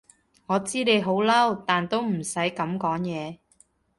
我知你好嬲，但都唔使噉講嘢